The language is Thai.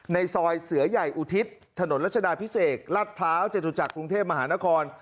ในซอยเสือใหญ่อุทิศถนนรัชดาพิเศษลาดพร้าวจตุจักรกรุงเทพมหานคร